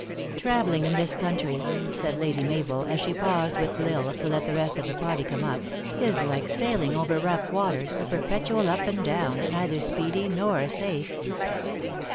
" Traveling in this country," said Lady Mabel, as she paused with L Isle, to let the rest of the party come up, " is like sailing over rough waters, a perpetual up and down, neither speedy nor safe."